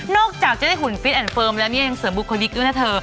จากจะได้หุ่นฟิตแอนดเฟิร์มแล้วเนี่ยยังเสริมบุคคลอีกด้วยนะเธอ